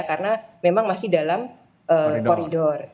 karena memang masih dalam koridor